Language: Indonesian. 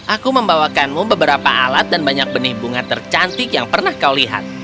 aku membawakanmu beberapa alat dan banyak benih bunga tercantik yang pernah kau lihat